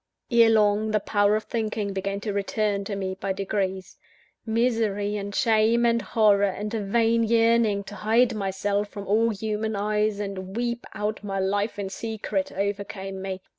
Erelong, the power of thinking began to return to me by degrees. Misery, and shame, and horror, and a vain yearning to hide myself from all human eyes, and weep out my life in secret, overcame me.